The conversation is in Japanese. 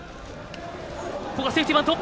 ここはセーフティーバント。